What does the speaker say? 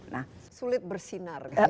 nah sulit bersinar